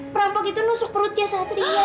perampok itu nusuk perutnya satria